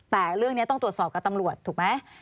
แต่เรื่องนี้ต้องตรวจสอบกับตำรวจถูกไหม